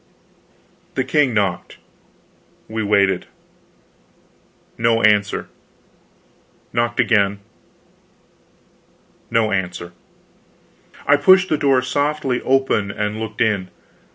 The king knocked. We waited. No answer. Knocked again. No answer. I pushed the door softly open and looked in.